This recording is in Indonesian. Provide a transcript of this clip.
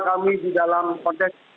kami di dalam konteks